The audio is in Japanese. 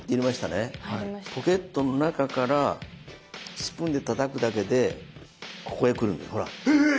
ポケットの中からスプーンでたたくだけでここへ来るんですほら！